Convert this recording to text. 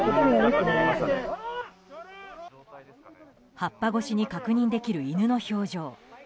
葉っぱ越しに確認できる犬の表情。